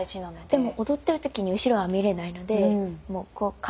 でも踊ってる時に後ろは見れないのでこう感覚です。